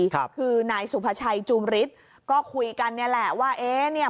ครับคือนายสุภาชัยจูมฤทธิ์ก็คุยกันเนี่ยแหละว่าเอ๊ะเนี่ย